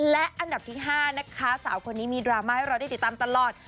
และอันดับที่๕นะคะสาวคนนี้มีดราม่าให้เราได้ติดตามตลอด